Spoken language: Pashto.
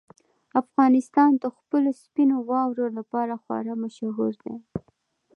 افغانستان د خپلو سپینو واورو لپاره خورا مشهور دی.